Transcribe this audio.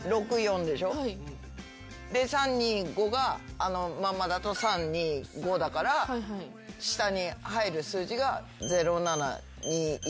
で「３２５」があのまんまだと「３２５」だから下に入る数字が「０７２１」かな。